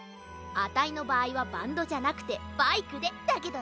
あたいのばあいはバンドじゃなくてバイクでだけどな。